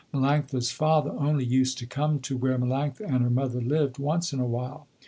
Melanctha's father only used to come to where Melanctha and her mother lived, once in a while.